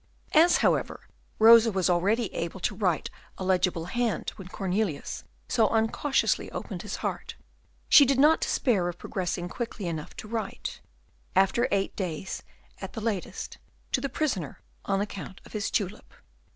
As, however, Rosa was already able to write a legible hand when Cornelius so uncautiously opened his heart, she did not despair of progressing quickly enough to write, after eight days at the latest, to the prisoner an account of his tulip.